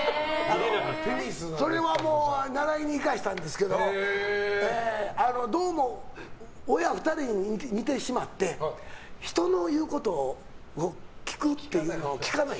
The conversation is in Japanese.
テニスは習いに行かせたんですけどどうも親２人に似てしまって人の言うことを聞くっていうのを聞かない。